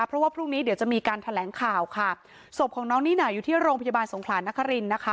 เพราะว่าพรุ่งนี้เดี๋ยวจะมีการแถลงข่าวค่ะศพของน้องนิน่าอยู่ที่โรงพยาบาลสงขลานครินนะคะ